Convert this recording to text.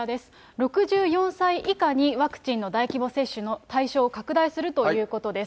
６４歳以下にワクチンの大規模接種の対象を拡大するということです。